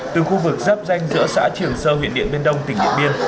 từ khu vực giáp danh giữa xã triều sơ huyện điện biên đông tỉnh điện biên